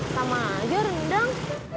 sama aja rendang